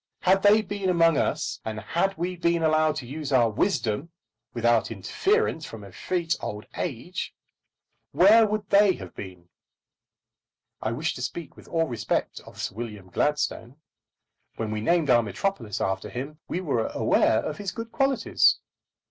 Had they been among us, and had we been allowed to use our wisdom without interference from effete old age, where would they have been? I wish to speak with all respect of Sir William Gladstone. When we named our metropolis after him, we were aware of his good qualities.